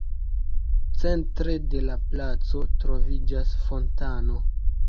Centre de la placo troviĝas fontano.